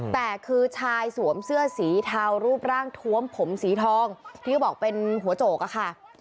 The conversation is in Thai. แต่คือชายสวมเสื้อสีเทารูปร่างทวมผมสีทองที่เขาบอกเป็นหัวโจกอะค่ะ